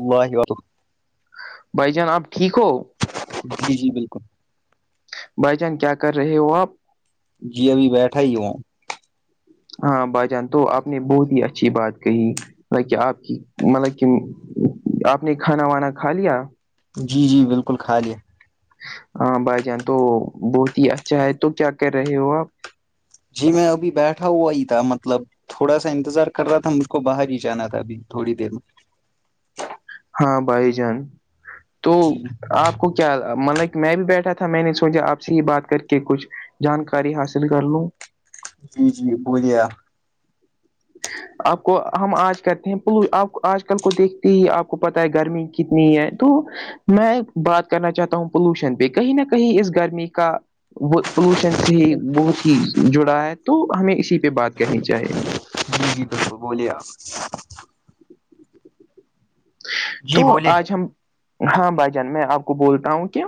اللہاہ و بھائی جان آپ ٹھیک ہو جی جی بالکل بھائی چان کیا کر رہے ہو آپ جی ابھی بیٹھا ہی وہاں ہاں بائی جان تو آپ نے بہت ہی اچھی بات کہی مط کہ آپ کی مطلب کہ آپ نے کھانا وانا کھا لیا جی جی بالکل خالی ہاں بھائی جان تو بہت ہی اچھا ہے تو کیا کر رہے ہو آپ جی میں ابھی بیٹھا ہوا ہی تھا مطلب تھوڑا سا انتظار کر رہا تھا مج کو باہر ہی جانا تھا ابھی تھوڑی دیر میں ہاں بھائی جان تو جی آپ کیا مطل لائک میں بھی بیٹھا تھا میں نے سوچا آپ سے یہ بات کر کے کچھ جانکاری حاصل کر لوں جی جی بلییا ا آپ کو ہم آج کرتے ہیں آپ آج کل کو دیکھتے ہی آپ کو پتا ہے گرمی کتنی ہے تو میں بات کرنا چاہتا ہوں پولوشن پہ کہیں نہ کہیں اس گرمی کا پولوشن سے بہت ہی جڑا ہے تو ہمیں اسی پہ بات کرنی چاہیے جی جی ب بوولیا [unintelligible] جی تو بولیے آج ہم ہاں بھائی جان میں آپ کو بولتا ہوں کہ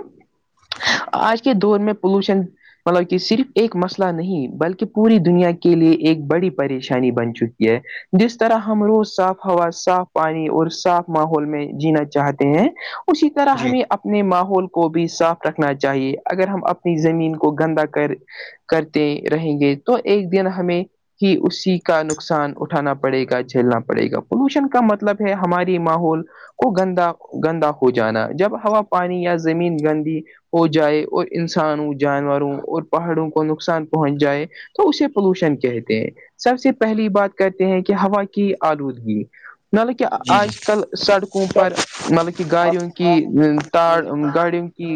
آج کے دور میں پولوشن مطلب کہ صرف ایک مسئلہ نہیں بلکہ پوری دنیا کے لیے ایک بڑی پریشانی بن چکی ہے جس طرح ہم روز صاف ہوا صاف پانی اور صاف ماحول میں جینا چاہتے ہیں اسی طرح جی ہمیں اپنے اپنے ماحول کو بھی صاف رکھنا چاہیے اگر ہم اپنی زمین کو گندا کر کرتے رہیں گے تو ایک دن ہمیں کہ اسی کا نقصان اٹھانا پڑے گا جھیلنا پڑے گا پولوشن کا مطلب ہے ہماری ماحول کو گندا گندا ہو جانا جب ہوا پانی یا زمین گندی ہو جائے اور انسانوں جانوروں اور پہاڑوں کو نقصان پہنچ جائے تو اسے پولوشن کہتے ہیں سب سے پہلی بات کرتے ہیں کہ ہوا کی آلودگی مطلب کہ جی جی آج کل سڑکوں پر مطلب کہ گاڑوں کہ تڑ گاڑیوں کی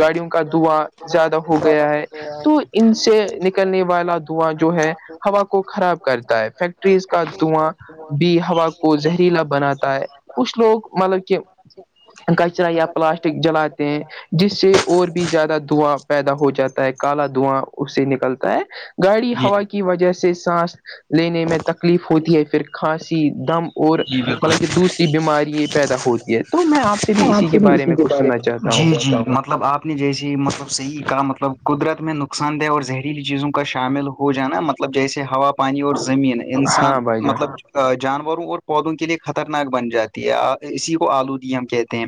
گاڑیوں کا دواں زیادہ ہو گیا ہے تو ان سے نکلنے والا دھواں جو ہے ہوا کو خراب کرتا ہے فیکٹریز کا دواں بھی ہوا کو زہریلا بناتا ہے کچھ لوگ مطلب کہ کچرا یا پلاسٹک جلاتے ہیں جس سے اور بھی زیادہ دھواں پیدا ہو جاتا ہے کالا دھواں اس سے نکلتا ہے گاڑی جی جی ہوا کی وجہ سے سانس لینے میں تکلیف ہوتی ہے پھر کھانسی دم اور جی بالکل مطلب کہ دوسری بیماری پیدا ہوتی ہے تو میں آپ آپ سے بھی بارے اسی میں کے کچھ سننا پے چاہتا جی ہوں جی مطلب آپ [unintelligible] نے جیسی مطلب صحیح کہا مطلب قدرت میں نقصان دہ اور زہریلی چیزوں کا شامل ہو جانا مطلب مطلب جیسے ہوا پانی اور زمین انسان ہاں بھائی مطلب جان جانوروں اور پودوں کے لیے خطرناک بن جاتی ہے اسی کو آلودی ہم کہتے ہیں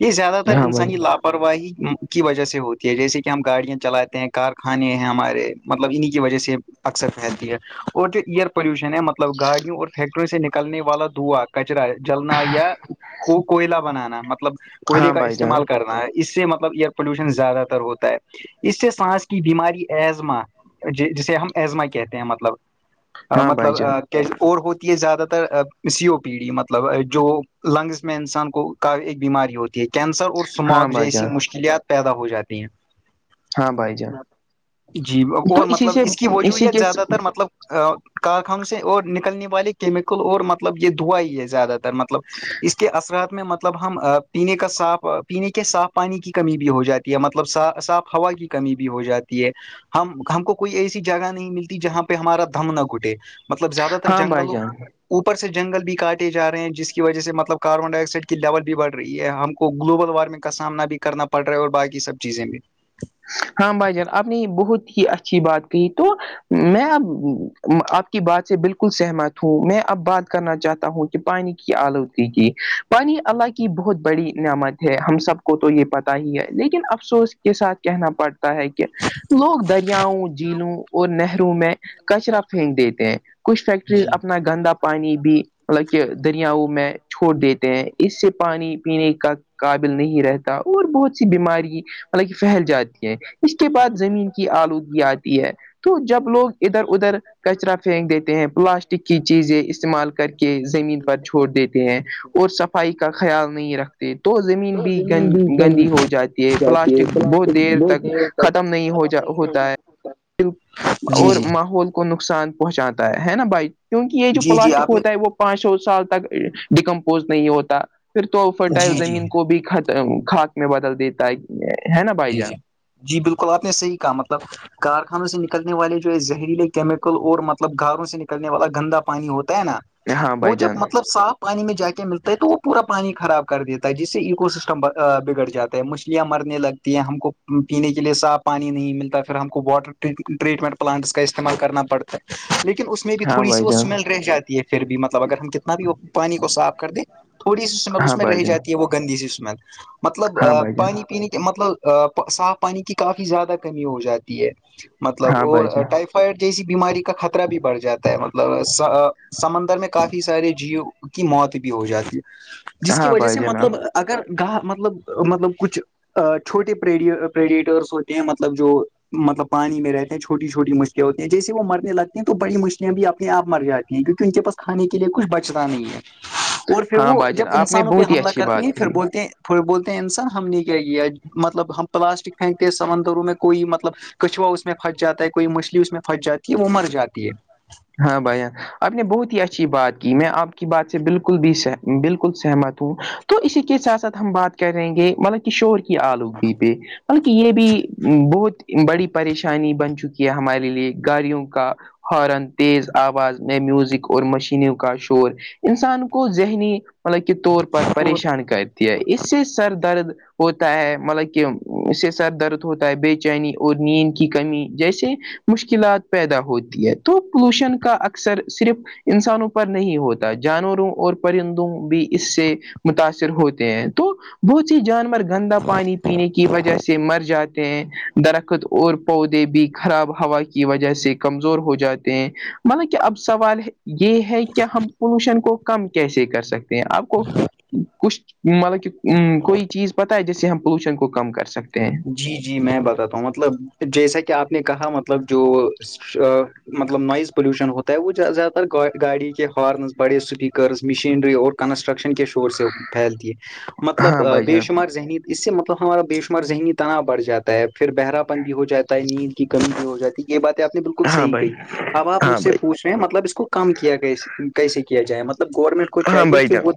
یہ زیادہ تر ہاں بھائی انسانی لابھ لاپرواہی کی وجہ سے ہوتی ہے جیسے کہ ہم گاڑیاں چلاتے ہیں کارخانے ہیں ہمارے مطلب انہی کی وجہ سے اکثر پھیلتی ہے اور جو ایئر پولوشن ہے مطلب گاڑیوں اور فیکٹریوں سے نکلنے والا دعا کچرا جلنا یا کو کوئلہ بنانا مطلب کوئلے ہاں کا بھائی جان استعمال کرنا ہے اس سے مطلب ایئر پولوشن زیادہ تر ہوتا ہے اس سے سانس کی بیماری ایزما جسے ہم ایزما کہتے ہیں مطلب ا ہاں بھائی مطلب جان ا اور ہوتی ہے زیادہ تر سی او پی ڈی مطلب جو لنگز میں انسان کو کا ایک بیماری ہوتی ہے کینسر اور ہاں سمگ بھائی جیسی جان مشکلات پیدا ہو جاتی ہیں ہاں بھائی جان جی تو اور اسی مطلب سے اس کی اسی وجوہت کے زیادہ تر مطلب کارخانوں سے اور نکلنے والے کیمیکل اور مطلب یہ دع ہی ہے زیادہ تر مطلب اس کے اثرات میں مد مطلب ہم پینے کا صاف پینے کے صاف پانی کی کمی بھی ہو جاتی ہے مطلبا صاف ہوا کی کمی بھی ہو جاتی ہے ہم ہم کو کوئی ایسی جگہ نہیں ملتی جہاں پہ ہمارا دھم نہ گھٹے مطلب زیادہ تر ہاں بھائی جنگوں جان اوپر سے جنگل بھی کاٹے جا رہے ہیں جس کی وجہ سے مطلب کاربن ڈائی آکسائڈ کی لیول بھی بڑھ رہی ہے ہم کو گلوبل وارمنگ کا سامنا بھی کرنا پڑ رہا ہے اور باقی سب چیزیں میں ہاں بھائی جان آپ نے یہ بہت ہی اچھی بات کہ تو میں اب آپ کی بات سے بالکل سہمت ہوں میں اب بات کرنا چاہتا ہوں کہ پانی کی آلودگی کی پانی اللہ کی بہت بڑی نعمت ہے ہم سب کو تو یہ پتا ہی ہے لیکن افسوس کے ساتھ کہنا پڑتا ہے کہ لوگ دریاؤں جھیلوں اور نہروں میں کچرا پھینک دیتے ہیں کچھ فیکٹریز جی اپنا گندا پانی بھی مطلب کہ دریاؤ میں چھوڑ دیتے ہیں اس سے پانی پینے کا قابل نہیں رہتا اور بہت سی بیماری مطلب پھیل جاتی ہے اس کے بعد زمین کی آلودگی آتی ہے تو جب لوگ ادھر ادھر کچرا پھینک دیتے ہیں پلاسٹک کی چیزیں استعمال کر کے کے زمین پر چھوڑ دیتے ہیں اور صفائی کا خیال نہیں رکھتے تو زمین بھی گ گندی ہو جاتی ہے پلاسٹ بہت دیر تک ختم نہیں ہو جا ہوتا ہے جی اور جی ماحول کو نقصان پہنچاتا ہے نا بائک کیونکہ یہ جو جی جی پلاسٹک آپ نے ہوتا ہے وہ پانچ سو سال تک ڈیکمپوز نہیں ہوتا پھر تو فرٹائل جی جی زمین کو بھی خاک میں بدل دیتا ہے ہے نا بھائی جی جی جان جی بالکل آپ نے صحیح کہا مطلب کارخانوں سے نکلنے والے جو ہے زہریلے کیمیکل اور مطلب گاروں سے نکلنے والا گندا پانی ہوتا ہے نا ہاں وہ بھائی جب جان مطلب صاف پانی میں جا کے ملتا ہے تو وہ پورا پانی خراب کر دیتا ہے جس سے اکو سسٹم بگڑ جاتا ہے مچھلیاں مرنے لگ یہ ہم کو پینے کے لیے صاف پانی نہیں ملتا پھر ہم کو واٹر ٹریٹمنٹ پلانٹس کا استعمال کرنا پڑتا ہے لیکن اس اس بھی ہاں تھوڑی سی بھائی وہ جان اسمیل رہ جاتی ہے پھر بھی مطلب اگر ہم کتنا بھی پانی کو صاف کر دیں تھوڑی سی اسمیل اس ہاں میں بھائی رہ جان جاتی ہے وہ گندی سی اسمیل مطلب ہاں بھائی جان پانی پینے کے مطلب صاف پانی کی کافی زیادہ کمی ہو جاتی ہے مطلب ہاں اور بھائی جان ٹائف جیسی بیماری کا خطرہ بھی بڑھ جاتا ہے مطلب سمندر میں کافی سارے جیو کی موت بھی ہو جاتی ہے جس کی ہاں وجہ بھائی سے جان مطلب اگر گاہ مطلب مطلب کچھ چھوٹے پریڈیٹرس ہوتے ہیں مطلب جو مطلب پانی میں رہتے ہیں چھوٹی چھوٹی مچھلیا ہوتی ہیں جیسے وہ مرنے لگتے ہیں تو بڑی مچھلیاں بھی اپنے آپ مر جاتی ہیں نہیں کیک ان کے پاس کھے کے لیے کچھ بچتا نہیں ہے اور پھر ہاں وہ بھائی جب جان آپ نے انسانوں پہ بہت ہی حملہ اچھی کرتی بات ہیں پھر کہی بولتے ہیں پ بولتے ہیں انسان ہم نے کیا کیا مطلب ہم پلاسٹک پھینکتے ہیں سمندروں میں کوئی مطلب کچھوا اس میں پھنس جاتا ہے کوئی مچھلی اس میں پھنس جاتی ہے وہ مر جاتی ہے ہاں بھائی آپ نے بہت ہی اچھی بات کی میں آپ کی بات سے بالکل بھی بالکل سہمت ہوں تو اسی کے ساتھ ساتھ ہم بات کریں گے مطلب شور کی آلودگی پہ بلکہ یہ بھی بہت بڑی پریشانی بن چکی ہے ہمارے لیے گاڑیوں کا ہارن تیز آواز میںئے میوزک اور مشینوں کا شور انسان کو ذہنی مطلب کے طور پر تو پریشان کرتی ہے اس سے سر درد ہوتا ہے مطلب کہ اس سے سر درد ہوتا ہے بے چینی اور نیند کی کمی جیسے مشکلات پیدا ہوتی ہے تو پولوشن کا اکثر صرف انسانوں پر نہیں ہوتا جانوروں اور پرندوں بھی اس سے متاثر ہوتے ہیں تو بہت سی جانور گندا پانی پینے کی وجہ سے مر جاتے ہیں درخت اور پودے بھی خراب ہوا کی وجہ سے کمزور ہو جاتے ہیں مطلب کہ اب سوال یہ ہے کہ ہم پولوشن کو کم کیسے کر سکتے آپ کو کچھ مطلب کہ کوئی چیز پت جیسے ہم پولوشن کو کم کر سکتے ہیں جی جی میں بتاتا ہوں مطلب جیسا کہ آپ نے کہا مطلب جو مطلب نوائز پولوشن ہوتا ہے وہ زیادہ تر گاڑی کے ہارنز بڑے اسپیکرز مشینری اور کنسٹرکشن کے شور سے پھیلتی ہے مطلب ہاں بھائی بے جان شمار ذہنی اس سے مطلب ہمارا بے شمار ذہنی تنا بڑ جاتا ہے پھر بہرا پن بھی ہو جاتا ہے نیند کی کمی بھی ہو جاتی ہے یہ باتیں آپ نے بالکل ہاں صحیح بھائی کہی اب آپ مجھ ہاں سے بھائی پوچھ رہے ہیں مطلب اس کو کم کیا کیسے کیا جائے مطلب گورنمنٹ کو ہاں چاہیے بھائی کہ جان وہ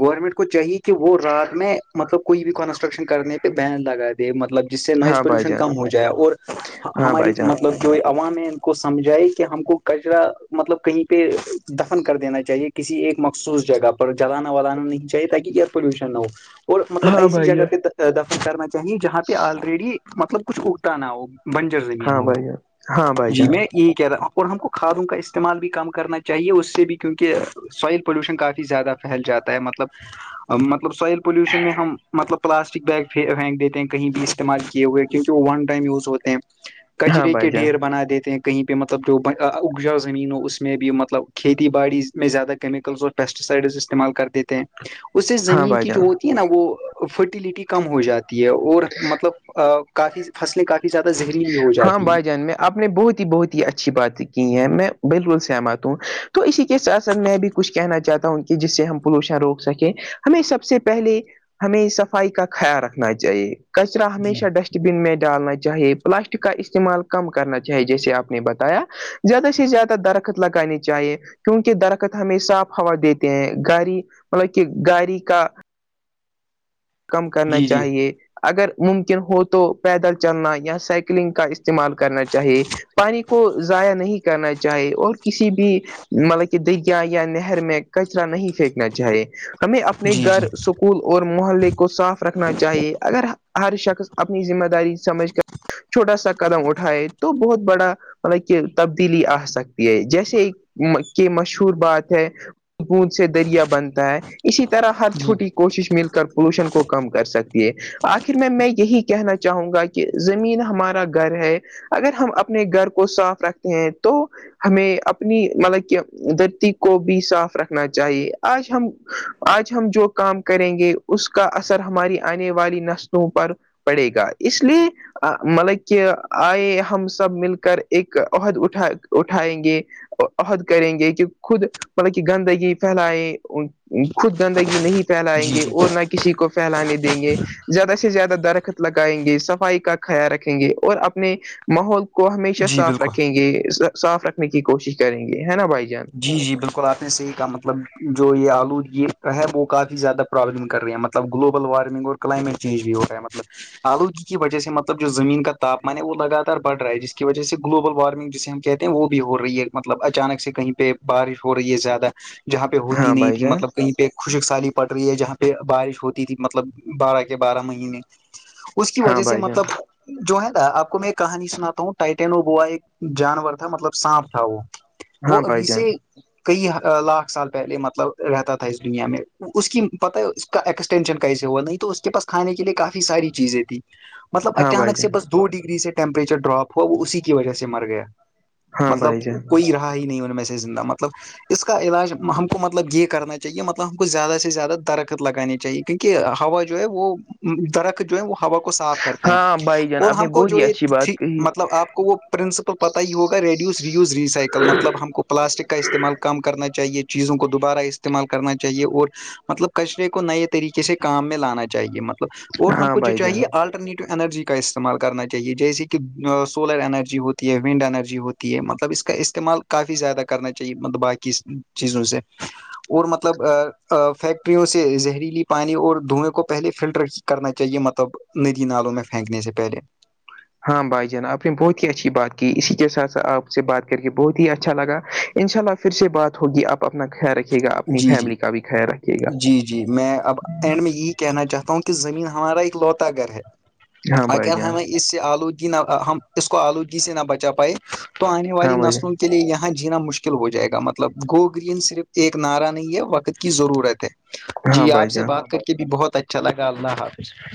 گورنمنٹ کو چاہیے کہ وہ رات میں مطلب کوئی بھی کنسٹرکشن کرنے پہ بین لگائے مطلب جس سے نوائز ہاں بھائی پولوشن جان کم ہو جائے اور ہاں ہماری بھائی جان مطلب جو عوام ہے ان کو سمجھائے کہ ہم کو کچرا مطلب کہیں پہ دفن کر دینا چاہیے کسی ایک مخصوص جگہ پر جلانا ولانا نہیں چاہیے تاکہ ایئر پولوشن نہ ہو اور مطلب ہاں ایسی بھائی جگہ جان پہ دفن کرنا چاہیے جہاں پہ آلریڈی مطلب کچھ اگھتا نہ ہو بنجر زمین ہاں ہو بھائی وہ جان ہاں بھائی جی جان میں یہ کہہ رہا ہوں اور ہم کو کھادوں کا استعمال بھی کم کرنا چاہیے اس سے بھی کیونکہ سوائل پولوشن کافی زیادہ پھیل جاتا ہے مطلب مطلب سوائل پوولوشن میں ہم مطلب پلاسٹک بیگ پھینک دیتے ہیں بھی استعمال کیے ہوئے کیونکہ وہ ون ٹائم یوز ہوتے ہیں ہاں کچرے کے بھائی جان ڈھیر بنا دیتے ہیں کہ پہ مطلب جو اگجاؤ زمین اس میں بھی مطلب کھیتی باڈی میں زیادہ کیمکلز پیسٹی سائڈز استعمال کر دیتے تھے اس سے ہاں زمین بھائی کی جو جان ہوتی ہے نا وہ فرٹیلٹی کم ہو جاتی ہے اور مطلب کافی فصلیں کافی زیادہ زہریلی ہو ہاں جاتی ہیں بھائی جان میں آپ نے بہت ہی بہت ہی اچھی باتیں کی ہیں میں بالکل سہمت ہوں تو اسی کے ساتھ ساتھ میں بھی کچھ کہنا چاہتا ہوں کہ جس سے ہم پولوشن روک سکیں ہمیں سب سے پہلے ہمیں صفائی کا خیال رکھنا چاہیے کچرا جی ہمیشہ ڈسٹ بن میں ڈالنا چاہے پلاسٹک کا استعمال کم کرنا چاہیے جیسے آپ نے بتایا زیادہ سے زیادہ درخت لگانے چاہیے کیونکہ درخت ہمیں صاف ہوا دیتے ہیں گھاڑی مطلب کہ گاڑی کا کم کرنا جی جی چاہیے اگر ممکن ہو تو پیدل چلنا یا سائیکلنگ کا استعمال کرنا چاہیے پانی کو ضائع نہیں کرنا چاہے اور کسی بھی مطلب کہ دریا یا نہر میں کچرا نہیں پھینکنا چاہے ہمیں اپنے جی گھر جی سکول اور محلے کے کو صاف رکھنا چاہیے اگر ہر شخص اپنی ذمہ داری سمجھ کر چھوٹا سا قدم اٹھائے تو بہت بڑا مطلب کہ تبدیلی آ سکتی ہے جیسے کہ مشہور بات ہے بوند سے دریا بنتا ہے اسی طرح ہر چھوٹی کوشش مل کر پولوشن کو کم کر سکتی ہے آخر میں میں یہی کہنا چاہوں گا کہ زمین ہمارا گھر ہے اگر ہم اپنے گھر کو صاف رکھتے ہیں تو ہمیں اپنی مطلب کہ دھرتی کو بھی صاف رکھنا چاہیے آج ہم آج ہم جو کام کریں گے اس کا اثر ہماری آنے والی نسلوں پر پڑے گا اس لیے مطلب کہ آئے ہم سب مل کر ایک عہد اٹھا اٹھائیں گے عہد کریں گے کہ خود مطلب کہ گندگی پھیلائ خود گندگی نہیں پھیلائیں جی گے جی اور نہ کسی کو پھیلانے دیں گے زیادہ سے زیادہ درخت لگائیں گے صفائی کا خیال رکھیں گے اور اپنے ماحول کو ہمیشہ جی صاف بالکل رکھیں گے صاف رکھنے کی کوشش کریں گے ہے نا بھائی جان جی جی بالکل آپ نے صحیح کہا مطلب جو یہ آلود یہ ہے وہ کافی زیادہ پروابلم کر رہی ہیں مطلب گلوبل وارمنگ اور کلائمیٹ چینج بھی ہو رہا ہے مطلب آلودگی کی وہ سےطلب جو زمین کا تاپمان ہے وہ لگاتار بڑ رہا ہے جس کی وجہ سے گلوبل وارمنگ جسے ہم کہتے ہیں وہ بھی ہو رہی ہے مطلب اچانک سے کہیں پ پہ بارش ہو رہی ہے زیادہ جہاں پہ ہوتی ہاں نہیں بھائی تھی جان مطلب کہیں پہ خشک سالی پڑ رہی ہے جہاں پہ بارش ہوتی تھی مطلب بارہ کے بارہ مہینے اس کی ہاں وجہ سے بھائی جان مطلب جو ہے نا آپ کو میں ایک کہانی سناتا ہوں ٹائٹینو گووا ایک جانور تھا مطلب سانپ تھا وہ ہاں وہ بھائی سے جان کئی لاکھ سال پہلے مطلب رہتا تھا اس دنیا میں اس کی پت ہے ایکسٹینشن کیسے ہوا نہیں تو اس کے پس کھان کے لیے کافی ساری چیزیں تھی مطلب ہاں بھائی اچانک سے جان بس دو ڈگری سے ٹیمپریچر ڈراپ ہوا وہ اسی کی وجہ سے مر گیا ہاں مطلب بھائی جان کوئی رہا ہی نہیں ان میں سے زندہ مطلب اس کا علاج ہم کو مطلب یہ کرنا چاہیے مطلب ہم کو زیادہ سے زیادہ درخت لگانی چاہیے کیونکہ ہوا جو ہے وہ درخت جو ہے وہ ہوا کو صاف کرتے ہیں ہاں بھائی جان اور آپ نے ہم کو بہت جو ہی یہ اچھی ت بات کہی مطلب آپ کو وہ پرنسپل پتا ہی ہوگا ریڈیوز ریوز ریسائیکل مطلب ہم کو پلاسٹک کا استعمال کم کرنا چاہیے چیزوں کو دوبارہ استعمال کرنا چاہیے اور مطلب کچرے کو نئے طریقے سے کام میں لانا چاہیے م اور ہم ہاں کو جو بھائی جان چاہیے آلٹرنیٹو اینرجی کے کا استعمال کرنا چاہیے جیسے کہ سولر انرجی ہوتی ہے ونڈ انرجی ہوتی ہے مطلب اس کا استعمال کافی زیادہ کرنا چاہیے مطلب باقی چیزوں سے اور مطلب فیکٹریوں سے زہریلی پانی اور دھوئیں کو پہلے فلٹر کیا کرنا چاہیے مطلب ندی نالوں میں پھینکنے سے پہلے ہاں بھائی جان آپ نے بہت ہی اچھی بات کی اسی کے ساتھ س آپ سے بات کر کے بہت ہی اچھا لگا ان شاء اللہ پھر سے بات ہوگی آپ اپنا خیال رکھیے گا اپنی جی جی فیملی کا بھی خیال رکے گا جی جی میں اب اینڈ میں یہی کہنا چاہتا ہوں کہ زمین ہمارا ایک لوتا گھر ہے ہاں بھائی اگر جان ہمیں اس سے آلودگی نہ ہم اس کو آلودگی سے نہ بچا پائے تو آنے والی ہاں بھائی نسلوں کی کے لیے یہاں جینا مشکل ہو جائے گا مطلب گو گرین صرف ایک نعرہ نہیں ہے وقت کی ضرورت ہے جان ہاں جی بھائی آپ سے جان بات کر کے بھی بہت اچھا لگا اللہنا ہاف